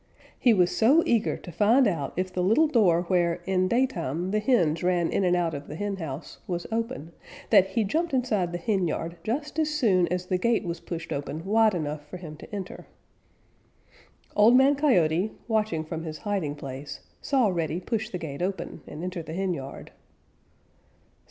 He was so eager to find out if the little door where in daytime the hens ran in and out of the henhouse was open, that he jumped inside the henyard just as soon as the gate was pushed open wide enough for him to enter. Old Man Coyote, watching from his hiding place, saw Reddy push the gate open and enter the henyard.